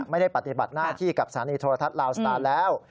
ปฏิบัติหน้าที่กับสถานีโทรทัศน์ลาวสตาร์แล้ว